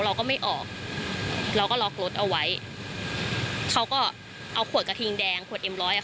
เราก็ไม่ออกเราก็ล็อกรถเอาไว้เขาก็เอาขวดกระทิงแดงขวดเอ็มร้อยอ่ะ